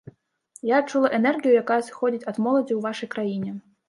Я адчула энергію, якая сыходзіць ад моладзі ў вашай краіне.